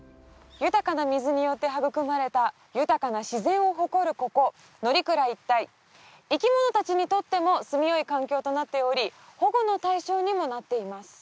豊かな水によって育まれた豊かな自然を誇るここ乗鞍一帯生き物達にとってもすみよい環境となっており保護の対象にもなっています